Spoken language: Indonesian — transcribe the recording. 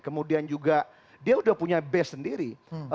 kemudian juga dia sudah punya base sendiri